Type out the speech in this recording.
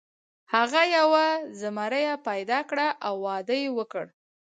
هغه یوه زمریه پیدا کړه او واده یې وکړ.